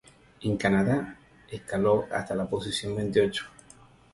En Canadá, escaló hasta la posición veintiocho.